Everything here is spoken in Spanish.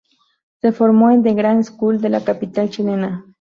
Se formó en The Grange School de la capital chilena.